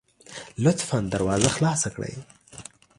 لطفا دروازه خلاصه کړئ